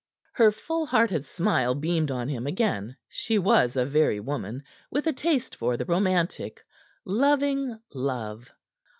Her full hearted smile beamed on him again; she was a very woman, with a taste for the romantic, loving love.